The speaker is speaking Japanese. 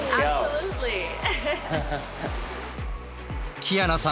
キアナさん